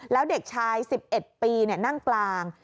แล้วเด็กชาย๑๑ปีนั่งกลาง